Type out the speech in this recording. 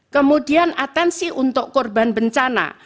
kemudian atensi untuk korban bencana